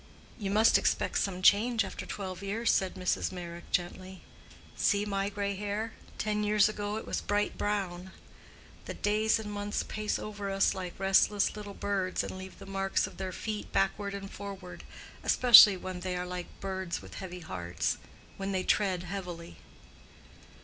"You must expect some change after twelve years," said Mrs. Meyrick, gently. "See my grey hair: ten years ago it was bright brown. The days and months pace over us like restless little birds, and leave the marks of their feet backward and forward; especially when they are like birds with heavy hearts—then they tread heavily."